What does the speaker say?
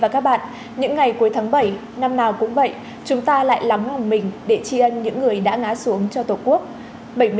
cảm ơn các bạn đã xem